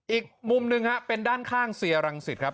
อีกมุมหนึ่งครับเป็นด้านข้างเซียรังสิทธิ์ครับ